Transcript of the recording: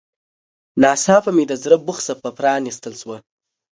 ناڅاپه مې د زړه بوخڅه په پرانيستل شوه.